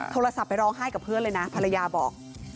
โทรศัพท์ไปร้องไห้กับเพื่อนเลยนะภรรยาบอก